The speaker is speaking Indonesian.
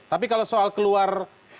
tapi kalau soal keluar